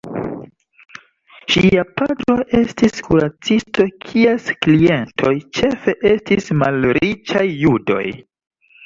Ŝia patro estis kuracisto kies klientoj ĉefe estis malriĉaj judoj.